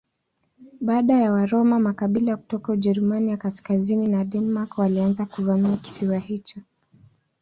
Baada ya Waroma makabila kutoka Ujerumani ya kaskazini na Denmark walianza kuvamia kisiwa hicho.